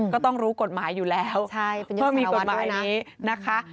ก็ต้องรู้กฎหมายอยู่แล้วเพิ่งมีกฎหมายนี้นะคะใช่เป็นอย่างสารวัตรด้วยนะ